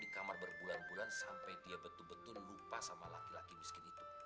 di kamar berbulan bulan sampai dia betul betul lupa sama laki laki miskin itu